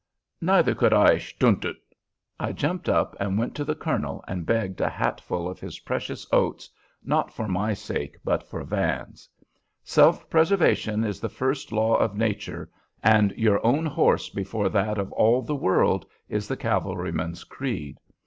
Neither could I "shtaendt ut." I jumped up and went to the colonel and begged a hatful of his precious oats, not for my sake, but for Van's. "Self preservation is the first law of nature," and your own horse before that of all the world is the cavalryman's creed.